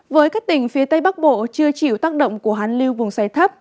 với các tỉnh phía tây bắc bộ chưa chịu tác động của hán lưu vùng xoay thấp